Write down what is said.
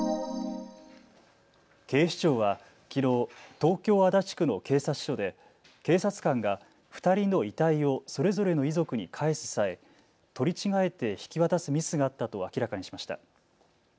警視庁はきのう、東京足立区の警察署で警察官が２人の遺体をそれぞれの遺族に返す際、取り違えて引き渡すミスがあったと明らかにしました。